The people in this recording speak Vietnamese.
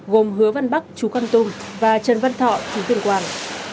gồm hứa văn bắc chú con tum và trần văn thọ chú tuyên quang